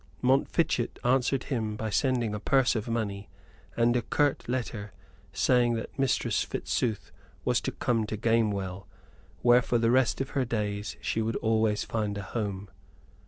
Montfichet answered him by sending a purse of money and a curt letter saying that Mistress Fitzooth was to come to Gamewell, where for the rest of her days she would always find a home.